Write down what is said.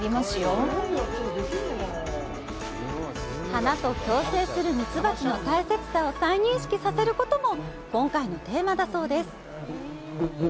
花と共生するミツバチの大切さを再認識させることも今回のテーマだそうです。